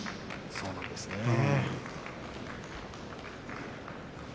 そうなんですね。